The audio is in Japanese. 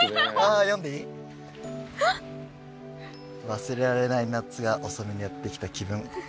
「忘れられない夏が遅めにやってきた気分」